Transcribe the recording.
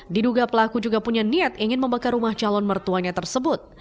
diduga pelaku juga punya niat ingin membakar rumah calon mertuanya tersebut